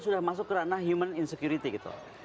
sudah masuk ke ranah human insecurity gitu